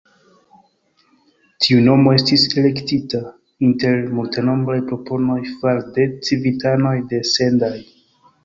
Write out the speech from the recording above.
Tiu nomo estis elektita inter multenombraj proponoj far'de civitanoj de Sendai.